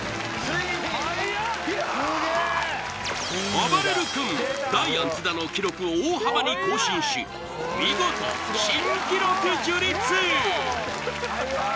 あばれる君ダイアン津田の記録を大幅に更新し見事よし！